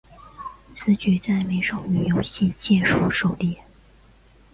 此举在美少女游戏界属首例。